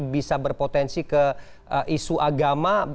bisa berpotensi ke isu agama